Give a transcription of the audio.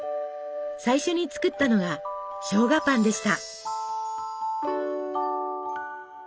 最初に作ったのがしょうがパンでした。